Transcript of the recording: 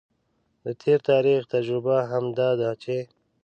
د تیر تاریخ تجربه هم دا ده چې